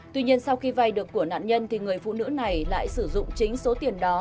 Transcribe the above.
tuy nhiên sau khi vay được của nạn nhân thì người phụ nữ này lại sử dụng chính số tiền đó